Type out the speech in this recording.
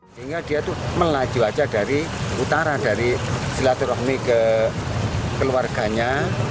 sehingga dia itu melaju aja dari utara dari silaturahmi ke keluarganya